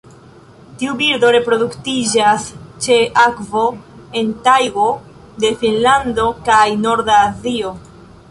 Tiu birdo reproduktiĝas ĉe akvo en tajgo de Finnlando kaj norda Azio.